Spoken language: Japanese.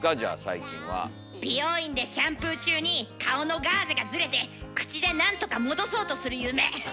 美容院でシャンプー中に顔のガーゼがずれて口でなんとか戻そうとする夢。